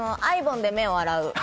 アイボンで目を洗う。